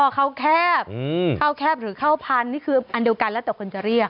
ข้าวแคบข้าวแคบหรือข้าวพันธุ์นี่คืออันเดียวกันแล้วแต่คนจะเรียก